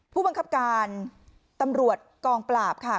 ผู้บังคับการตำรวจกองปราบค่ะ